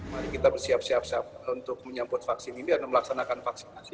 mari kita bersiap siap untuk menyambut vaksin ini dan melaksanakan vaksinasi